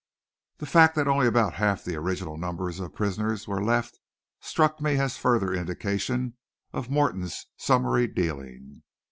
The fact that only about half the original number of prisoners were left struck me as further indication of Morton's summary dealing.